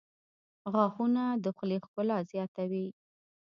• غاښونه د خولې ښکلا زیاتوي.